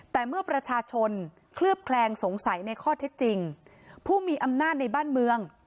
แต่เมื่อประชาชนเคลือบแคลงสงสัยในข้อเท็จจริงผู้มีอำนาจในบ้านเมือง